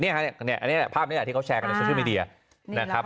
อันนี้ภาพนี้แหละที่เขาแชร์กันในโซเชียลมีเดียนะครับ